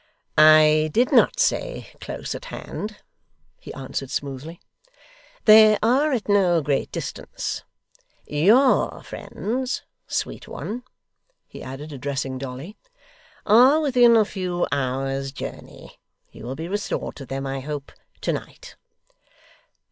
'I did not say close at hand,' he answered smoothly; 'they are at no great distance. YOUR friends, sweet one,' he added, addressing Dolly, 'are within a few hours' journey. You will be restored to them, I hope, to night.